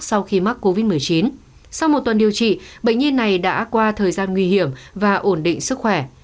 sau khi mắc covid một mươi chín sau một tuần điều trị bệnh nhi này đã qua thời gian nguy hiểm và ổn định sức khỏe